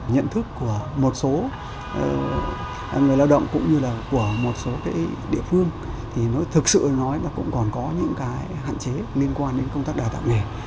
nhận thức của một số người lao động cũng như là của một số cái địa phương thì nó thực sự nói là cũng còn có những cái hạn chế liên quan đến công tác đào tạo nghề